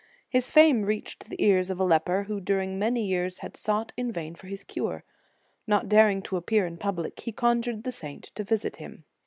His fame reached the ears of a leper who during many years had sought in vain for his cure. Not daring to appear in public, he conjured the saint to visit him.